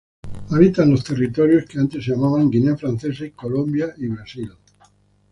Habita en los territorios que antes se llamaban Guinea Francesa y Colombia y Brasil.